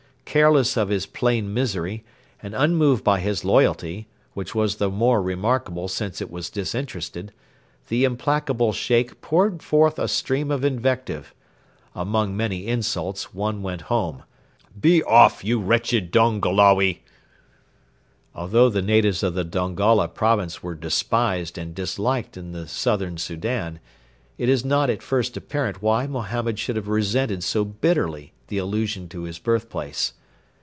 Careless of his plain misery, and unmoved by his loyalty, which was the more remarkable since it was disinterested, the implacable Sheikh poured forth a stream of invective. Among many insults, one went home: 'Be off, you wretched Dongolawi.' Although the natives of the Dongola province were despised and disliked in the Southern Soudan, it is not at first apparent why Mohammed should have resented so bitterly the allusion to his birthplace.